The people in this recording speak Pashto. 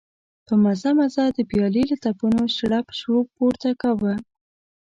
په مزه مزه د پيالې له تپونو شړپ شړوپ پورته کاوه.